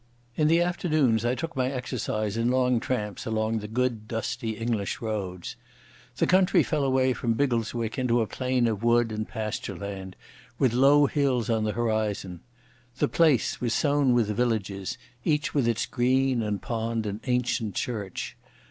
In the afternoons I took my exercise in long tramps along the good dusty English roads. The country fell away from Biggleswick into a plain of wood and pasture land, with low hills on the horizon. The place was sown with villages, each with its green and pond and ancient church.